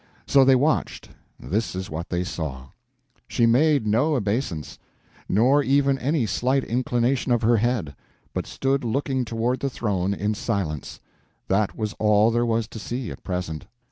So they watched. This is what they saw: She made no obeisance, nor even any slight inclination of her head, but stood looking toward the throne in silence. That was all there was to see at present.